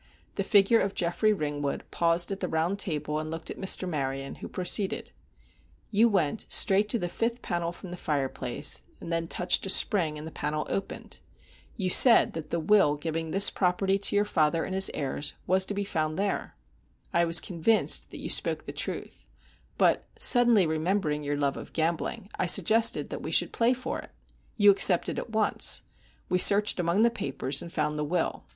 The figure of Geoffrey Ringwood paused at the round table, and looked again at Mr. Maryon, who proceeded: "You went straight to the fifth panel from the fireplace, and then touched a spring, and the panel opened. You said that the will giving this property to your father and his heirs was to be found there. I was convinced that you spoke the truth, but, suddenly remembering your love of gambling, I suggested that we should play for it. You accepted at once. We searched among the papers, and found the will.